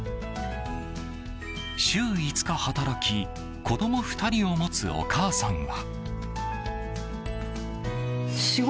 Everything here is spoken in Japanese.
週５日働き、子供２人を持つお母さんは。